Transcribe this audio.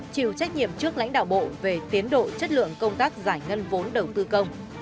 chịu trách nhiệm trước lãnh đạo bộ về tiến độ chất lượng công tác giải ngân vốn đầu tư công